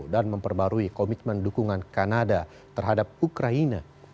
dan memperbarui komitmen dukungan kanada terhadap ukraina